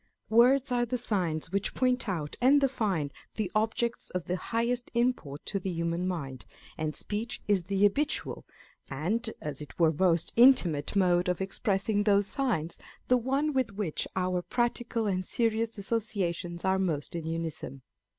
Words are the signs which point out and define the objects of the highest import to the human mind ; and speech is the habitual, and as it were most intimate mode Scott, Racine, and Shakespeare. 473 of expressing those signs, the one with which our practical and serious associations are most in unison.